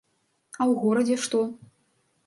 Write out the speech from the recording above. А ў горадзе што?